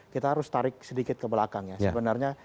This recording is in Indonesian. kita harus tarik sedikit ke belakang ya sebenarnya